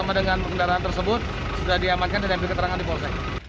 kedua korban telah dianggap sebagai penumpang tersebut